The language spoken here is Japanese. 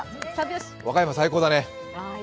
和歌山最高だね。